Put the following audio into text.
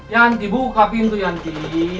yanti buka pintu yanti